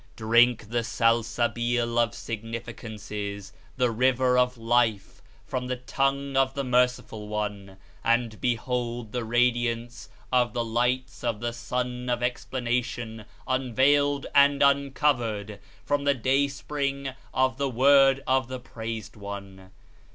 Drink the Salsabil of Significances (the "River of Life") from the Tongue of the Merciful One, and behold the radiance of the lights of the Sun of Explanation unveiled and uncovered, from the Day spring of the Word of the Praised One.